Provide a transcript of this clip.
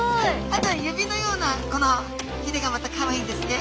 あと指のようなこのひれがまたかわいいですね